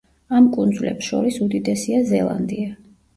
ამ კუნძულებს შორის უდიდესია ზელანდია.